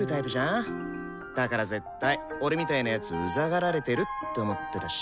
だから絶対俺みたいな奴うざがられてるって思ってたし。